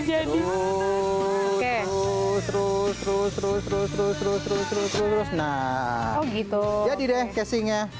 serius terus terus terus terus terus terus terus terus terus terus terus terus nah gitu jadi deh casingnya